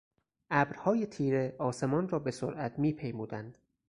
ابرهای تیره آسمان را به سرعت میپیمودند.